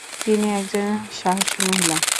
তিনি একজন সাহসী মহিলা।